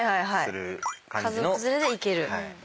家族連れで行ける？